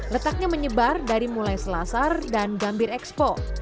letaknya menyebar dari mulai selasar dan gambir expo